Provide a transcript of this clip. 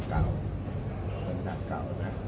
ก็บอกไปแล้ว